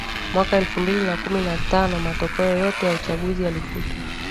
Mwaka elfu mbili na kumi na tano matokeo yote ya uchaguzi yalifutwa